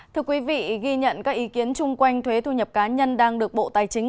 thưa quý vị ghi nhận các ý kiến chung quanh thuế thu nhập cá nhân đang được bộ tài chính